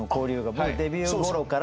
もうデビューごろから。